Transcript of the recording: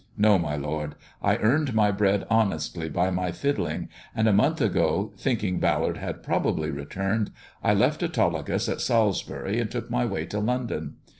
No, my lord. I earned my bread honestly by my fiddling ; and a month ago, thinking Ballard had probably returned, I left Autolycus at Salisbury, and took my way to London.